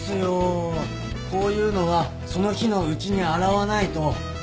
こういうのはその日のうちに洗わないと。